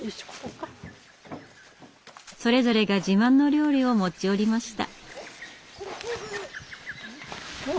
それぞれが自慢の料理を持ち寄りました。